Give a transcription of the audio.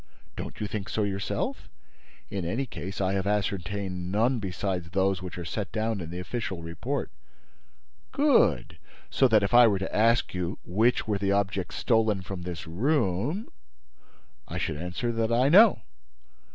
"Don't you think so yourself? In any case, I have ascertained none besides those which are set down in the official report." "Good! So that, if I were to ask you which were the objects stolen from this room—" "I should answer that I know."